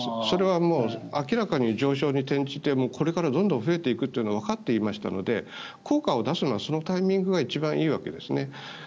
それは明らかに上昇に転じてこれからどんどん増えていくのがわかっていましたので効果を出すのはそのタイミングが一番いいわけですね。